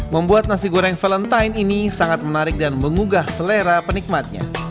membuat nasi goreng valentine ini sangat menarik dan mengugah selera penikmatnya